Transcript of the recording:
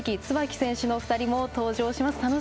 つばき選手のお二人も登場します。